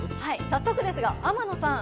早速ですが天野さん。